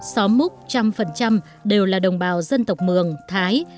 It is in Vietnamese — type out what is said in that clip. xóm múc trăm phần trăm đều là đồng bào dân tộc mường thái